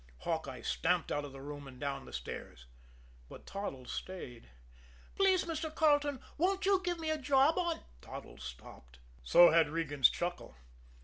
Hawkeye stamped out of the room and down the stairs. But Toddles stayed. "Please, Mr. Carleton, won't you give me a job on " Toddles stopped. So had Regan's chuckle.